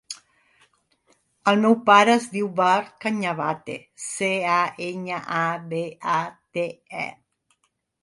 El meu pare es diu Badr Cañabate: ce, a, enya, a, be, a, te, e.